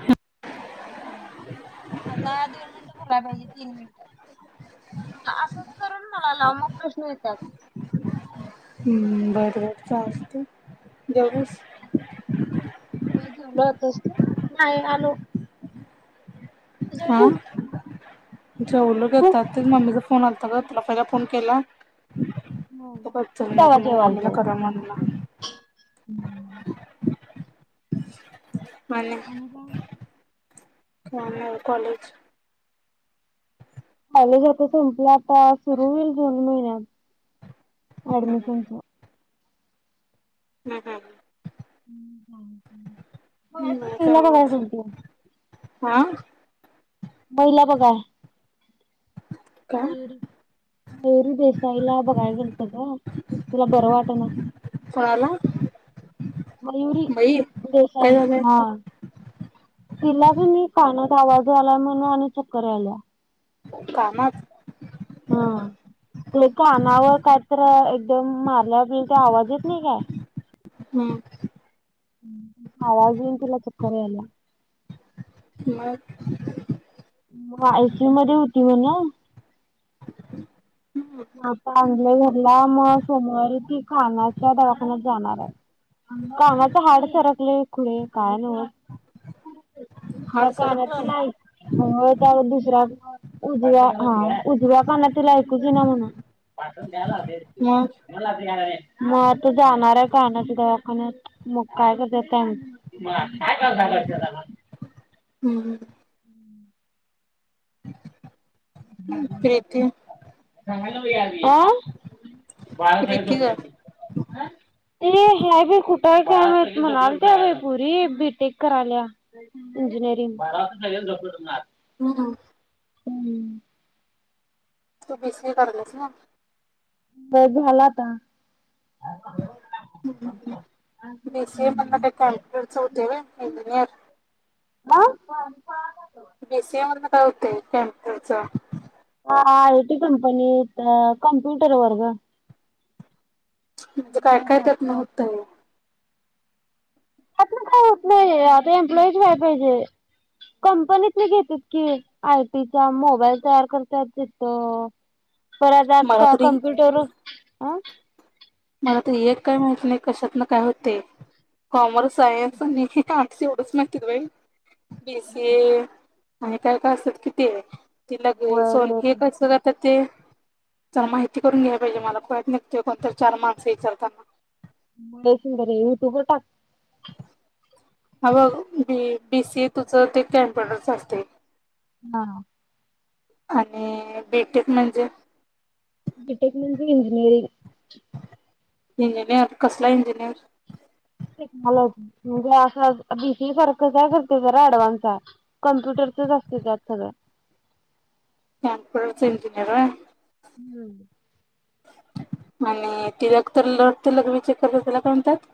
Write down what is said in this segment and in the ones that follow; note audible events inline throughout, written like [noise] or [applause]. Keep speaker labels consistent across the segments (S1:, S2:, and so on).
S1: ह,
S2: हा,, आता दोन मिनिटं बोलाय पाहिजे, तीन मिनिट.. असंच करूण मला लाव,, मग प्रश्न येत्यात..
S1: हम्म,, बर बर चालतय जेवलीस.
S2: चांग हो नाही आलो..
S1: हा
S2: जेवलीस..
S1: जेवलो कि आता, तेच मम्मीचा फोन आलता ग तुला पहिला फोन केलाऽऽ त चलण्या नाही आ मला कव म्हणला..
S2: हम्म.
S1: आणि,,, म कॉलेज..
S2: कॉलेज आता संपलं,, आता सुरू होईल जून महिन्यात..
S1: हम्म
S2: अऍडमिशनचा..
S1: हम्म, हम् ह,
S2: मार्च
S1: नाही
S2: महिना त काय
S1: मग.
S2: किलतीस..
S1: हा,
S2: महिला बघाय,,,
S1: काय
S2: मयुरी. मयुरी देसाईला बघायला गेलतासा,,, ग तीला बरं वाट नाऽऽ
S1: कोणाला?
S2: मयूरी
S1: बाई काय
S2: देसाई
S1: झालंय?
S2: हा. तिला क नी कानात आवाज यालाय म्हण आणि चक्कर याल्या
S1: कानात
S2: हं कानावर कायतर एकदम मारल्या लय ते आवाज येत नाही काय
S1: हं
S2: आवाज येऊन तिला चक्कर यायल्या.
S1: मग
S2: मग आयसीयू मध्ये होती म्हण. आता आणलय घरला मग सोमवारी ती कानाच्या दवाखान्यात जाणार आहे. कानाच हाड सरकलय खुळे काय नव. त्या
S1: हाड
S2: कानातील
S1: सरकलं
S2: लाई त्यावर दुसऱ्या उजव्या हा उजव्या कानात तीला ऐकूच येईना म्हण. मग आता
S1: मग
S2: जाणार आहे. कानाच्या दवाखान्यात मग काय करतात काय माहित?
S1: हम्म [unintelligible]
S2: [inaudible] अ
S1: प्रीती
S2: बाहेर सगळी
S1: प्रीती ग
S2: झोपल्यात ते ह्या बी कुठं हैत. काय माहित म्हणलत्या बाई पोरी बी टीक कराल्या. इंजिनिअरिंग [inaudible] डोक दुखणार.
S1: हं
S2: [unintelligible]
S1: तू बी सी ए करायलेस ना?
S2: व्हयं झाल आता. बर बंद कर
S1: बी सी ए मधन काय कॉम्प्युटरच होतयं व्हय इंजिनियर.
S2: आ.
S1: बी सी ए मधन काय होतयं कॅम्पुटरच
S2: हा आय टी कंपनीत अ कॉम्प्युटर वर गं
S1: म्हणजे काय काय त्यातन होतय?
S2: ह्यातन काय होत नाही. आता एम्प्लॉईज व्हायला पाहिजे. कंपनीतले घेतेत की आयटीचा मोबाईल तयार करत्यात तिथ. परत अ
S1: मला
S2: का
S1: तरी
S2: कॉम्प्युटर हा.
S1: मला ते एक काय माहित नाही कशातन काय होतय. कॉमर्स, सायन्स आणि आर्ट्स एवढच माहितीत बाई बी सी ए आणि काय काय असतात किती ते लगु सुन हे कस करतात की ते जरा माहिती करून घ्यायला पाहिजे मला खुळ्यात निघतेय कोणत चार माणसं विचारताना.
S2: मुळे शंगरे युट्यूबवर टाक.
S1: अबग बी बी सी ए तुझं ते कॉम्प्युटरच असते.
S2: हा.
S1: आणि बी टेक म्हणजे?
S2: बीटेक म्हणजे इंजिनीअरींग.
S1: इंजिनिअर कसला इंजिनिअर
S2: टेक्नॉलॉजी म्हणजे अस बी सी ए सारखच आहे ते जरा ॲडवांस आहे कंप्युटर तसंच असतंय त्यात सगळ
S1: कॉम्प्युटरच इंजिनीअर होय?
S2: हम्म
S1: आणि ती रक्त रक्त लग लघवी चेक करत्यात त्याला काय म्हणतात?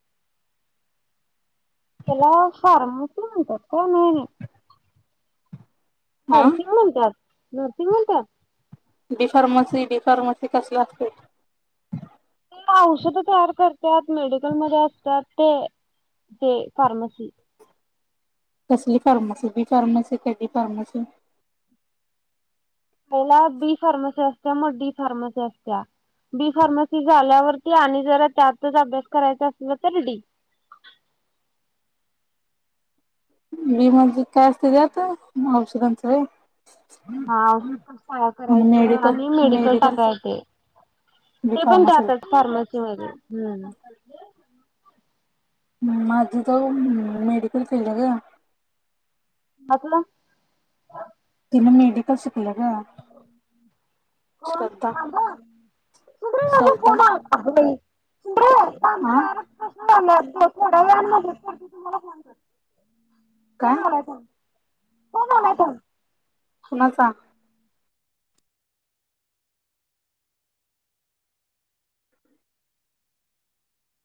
S2: सअअअ त्याला हॉर्म पण म्हणतात का? नाही नाही
S1: हा
S2: नर्सिंग म्हणतात. नर्सिंग म्हणतात.
S1: डिफार्मसी डिफार्मसी कसला असते
S2: ते औषधं तयार करतात मेडिकलमध्ये असतात ते ते फारमासी
S1: कसली फार्मसी बी फार्मसी कधी फार्मसी
S2: पला बी फार्मसी असत्या मग डी फार्मसी असत्या बी फार्मसी झाल्यावरती आणि जरा त्यातच अभ्यास करायचा असल तर डी [inaudible]
S1: विी म्ह काय असते त्यात औषधांच
S2: ह औषधस साया करायचं आणि मेडिकल टाकायचे
S1: बी
S2: ते पण
S1: फार्मसी
S2: जहातात फार्मसी म हम्म
S1: माझी त मेडिकल फिल्ड ग
S2: मतल
S1: मेडिकल शिकलं हम्
S2: कोण
S1: श्रद्धा
S2: थांबा सुंदरे बाबू
S1: श्रधा
S2: फोन आलता अगं बाई आमचा आ प्रशन झाला थोड्या वेळामध्ये तर तुम्हाला फोन करते
S1: काय
S2: कोण आलात कोण आलात
S1: पुणाचा